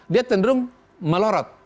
dia tendrung melorot